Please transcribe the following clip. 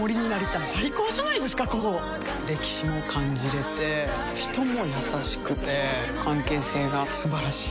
歴史も感じれて人も優しくて関係性が素晴らしい。